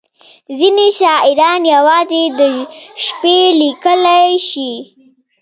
• ځینې شاعران یوازې د شپې لیکلی شي.